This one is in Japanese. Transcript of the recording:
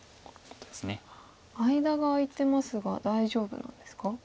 間が空いてますが大丈夫なんですか？